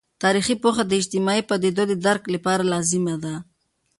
تاریخي پوهه د اجتماعي پدیدو د درک لپاره لازمي ده.